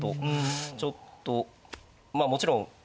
ちょっとまあもちろん。